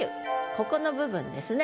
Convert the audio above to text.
ここの部分ですね。